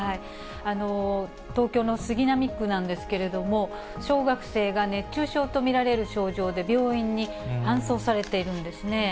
東京の杉並区なんですけれども、小学生が熱中症と見られる症状で病院に搬送されているんですね。